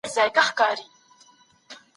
انسان له روحي پلوه پیاوړی دی.